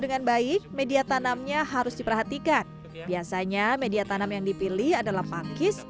dengan baik media tanamnya harus diperhatikan biasanya media tanam yang dipilih adalah pakis